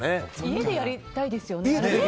家でやりたいですよね。